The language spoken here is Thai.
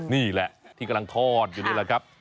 นี่แหละที่กำลังทอดอยู่นี่แหละครับ